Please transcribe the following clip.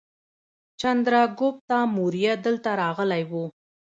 چندراګوپتا موریه دلته راغلی و